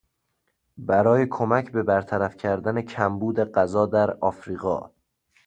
برای کمک به برطرف کردن کمبود غذا در افریقا